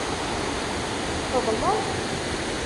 Txedmeḍ?